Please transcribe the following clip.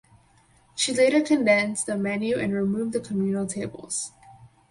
She later condensed the menu and removed the communal tables.